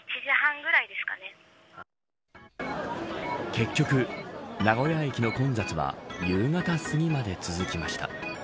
結局、名古屋駅の混雑は夕方すぎまで続きました。